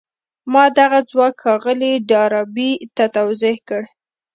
ما دغه ځواک ښاغلي ډاربي ته توضيح کړ.